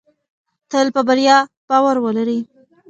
تل په بریا باور ولرئ.